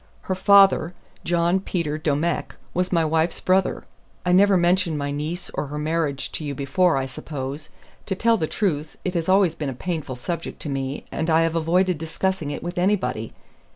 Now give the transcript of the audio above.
"Her father, John Peter Domecq, was my wife's brother. I never mentioned my niece or her marriage to you before, I suppose. To tell the truth, it has always been a painful subject to me, and I have avoided discussing it with anybody.